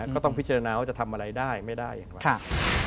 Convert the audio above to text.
ก็ต้องพิจารณาว่าจะทำอะไรได้ไม่ได้อย่างไร